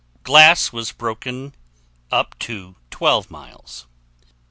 Glass was broken up to 12 miles.